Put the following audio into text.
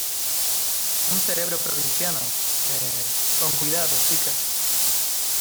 un cerebro provinciano... eh, con cuidado , chicas .